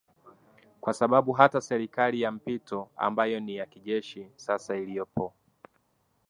kwa sababu hata serikali ya mpito ambayo ni ya kijeshi sasa iliopo